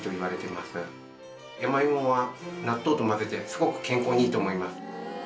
山芋は納豆と混ぜてすごく健康にいいと思います。